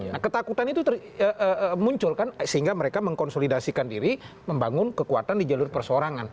nah ketakutan itu munculkan sehingga mereka mengkonsolidasikan diri membangun kekuatan di jalur perseorangan